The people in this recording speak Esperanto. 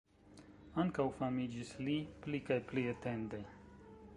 Ankaŭ famiĝis li pli kaj pli etende.